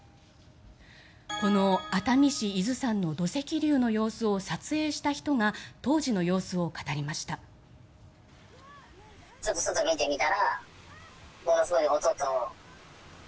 この熱海市伊豆山の土石流の様子を撮影した人が当時の様子を語りました。